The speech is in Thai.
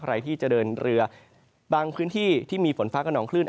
ใครที่จะเดินเรือบางพื้นที่ที่มีฝนฟ้ากระนองคลื่น